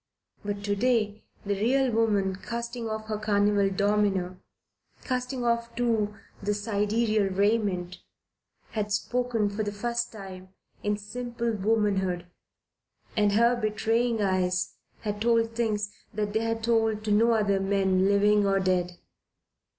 But to day the real woman, casting off her carnival domino, casting off too the sidereal raiment, had spoken, for the first time, in simple womanhood, and her betraying eyes had told things that they had told to no other man living or dead.